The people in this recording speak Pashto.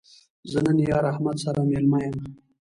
زه نن یار احمد سره مېلمه یم